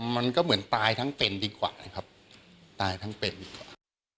มันก็เหมือนตายทั้งเป็นดีกว่านะครับตายทั้งเป็นดีกว่า